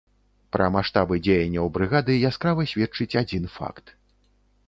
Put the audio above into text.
Пра маштабы дзеянняў брыгады яскрава сведчыць адзін факт.